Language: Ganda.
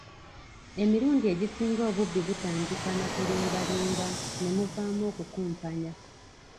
Emirundi egisinga obubbi butandika nakulimbalimba, ne muvaamu okukumpanya.